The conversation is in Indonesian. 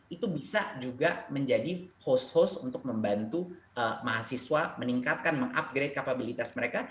itu bisa juga menjadi host host untuk membantu mahasiswa meningkatkan mengupgrade kapabilitas mereka